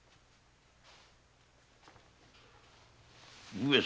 上様。